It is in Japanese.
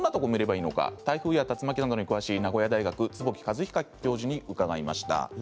台風や竜巻に詳しい名古屋大学の坪木和久さんに伺いました。